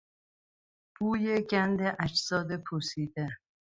بوی گند اجساد پوسیده